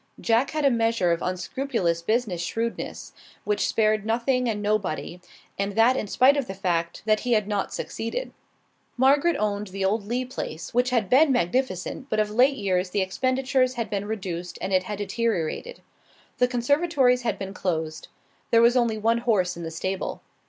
Jack had a measure of unscrupulous business shrewdness, which spared nothing and nobody, and that in spite of the fact that he had not succeeded. Margaret owned the old Lee place, which had been magnificent, but of late years the expenditures had been reduced and it had deteriorated. The conservatories had been closed. There was only one horse in the stable.